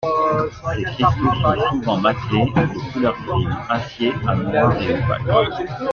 Ses cristaux sont souvent maclés, de couleur gris acier à noire et opaques.